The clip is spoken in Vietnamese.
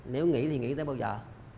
nếu nghỉ thì nghỉ tới bao giờ